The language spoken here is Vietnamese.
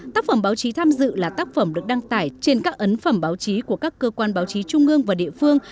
tác phẩm báo chí tham dự là tác phẩm được đăng tải trên các ấn phẩm báo chí của các cơ quan báo chí trung ương và địa phương